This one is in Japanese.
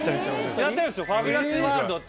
やってんすよ『ファビュラスワールド』って。